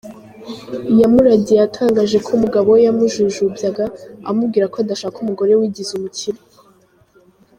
Yamuragiye yatangaje ko umugabo we yamujujubyaga amubwira ko adashaka umugore wigize umukire.